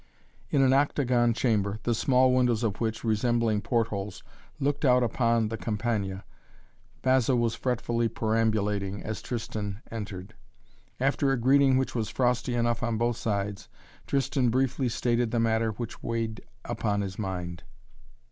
In an octagon chamber, the small windows of which, resembling port holes, looked out upon the Campagna, Basil was fretfully perambulating as Tristan entered. After a greeting which was frosty enough on both sides, Tristan briefly stated the matter which weighed upon his mind.